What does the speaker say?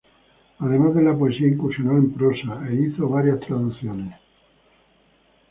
Además de la poesía, incursionó en prosa e hizo varias traducciones.